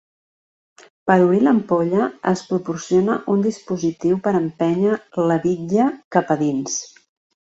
Per obrir l'ampolla, es proporciona un dispositiu per empènyer la bitlla cap a dins.